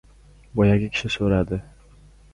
Boyagi kishi so‘radi: